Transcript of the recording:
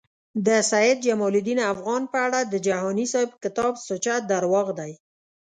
د سید جمالدین افغان په اړه د جهانی صیب کتاب سوچه درواغ دی